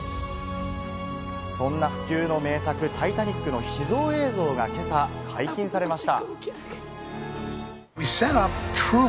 そんな不朽の名作『タイタニック』の秘蔵映像が今朝解禁されました。